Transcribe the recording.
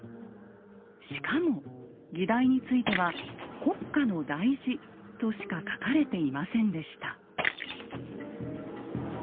しかも議題については「国家の大事」としか書かれていませんでした。